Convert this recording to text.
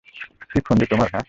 কী ফন্দি তোমার, হ্যাঁ?